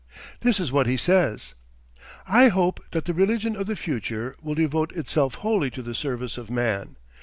This is what he says: "I hope that the religion of the future will devote itself wholly to the Service of Man.